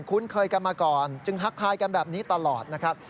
คุ้นเคยกันมาก่อนจึงทักทายกันแบบนี้ตลอดนะครับ